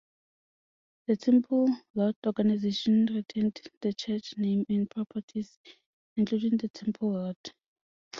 The Temple Lot organization retained the church name and properties, including the Temple Lot.